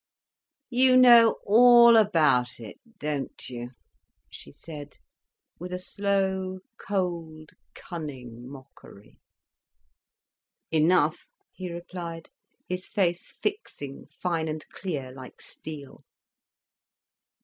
"You know all about it, don't you?" she said, with slow, cold, cunning mockery. "Enough," he replied, his face fixing fine and clear like steel.